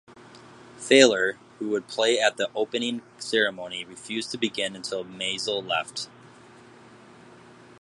Feiler, who would play at the opening ceremony, refused to begin until Mazel left.